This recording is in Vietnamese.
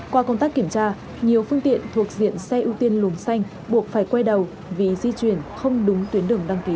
qua công tác kiểm tra nhiều phương tiện thuộc diện xe ưu tiên luồng xanh buộc phải quay đầu vì di chuyển không đúng tuyến đường đăng ký